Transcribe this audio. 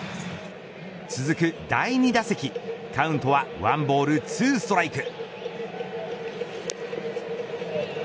続く第２打席カウントは１ボール２ストライク。